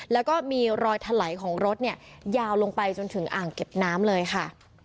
แล้วก็มีรอยถลายของรถเนี่ยยาวลงไปจนถึงอ่างเก็บน้ำเลยค่ะ